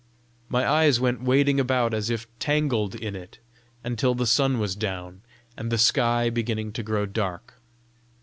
My eyes went wading about as if tangled in it, until the sun was down, and the sky beginning to grow dark.